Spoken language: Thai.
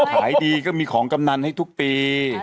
ขายดีก็มีของกำนันให้ทุกปี